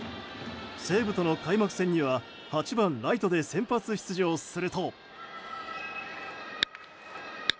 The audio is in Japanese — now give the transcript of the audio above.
西武との開幕戦には８番ライトで先発出場すると。